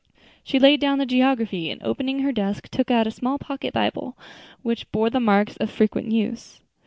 She laid down the geography, and opening her desk, took out a small pocket Bible, which bore the marks of frequent use.